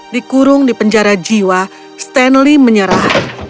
dikurung di penjara jiwa stanley menyerah